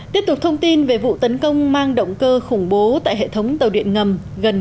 tiếp tục thông tin về vụ tấn công mang động cơ khủng bố tại hệ thống tàu điện ngầm